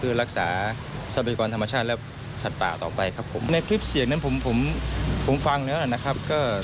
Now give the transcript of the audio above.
เพื่อรักษาทรัพยากว่าธรรมชาติและสัตว์ป่าครับ